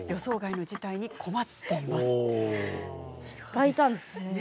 大胆ですね。